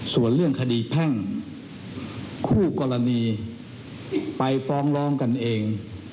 ส่วนเรื่องคดีแพ่งคู่กรณีไปฟ้องร้องกันเอง